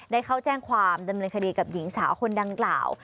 ได้เข้าแจ้งความดำเนินคดีกับหญิงสาวคนดังกล่าว